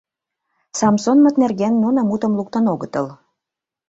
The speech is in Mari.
Самсонмыт нерген нуно мутым луктын огытыл.